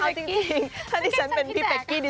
เอาจริงถ้าที่ฉันเป็นพี่ปรากกี้